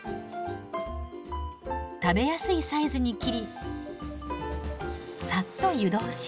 食べやすいサイズに切りさっと湯通し。